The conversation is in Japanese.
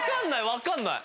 わかんない！